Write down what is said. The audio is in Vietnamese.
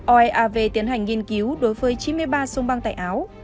oeav tiến hành nghiên cứu đối với chín mươi ba sông băng tại áo